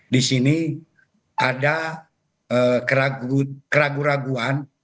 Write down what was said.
di sini ada keraguan keraguan